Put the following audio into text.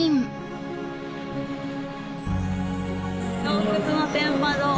洞窟の天窓。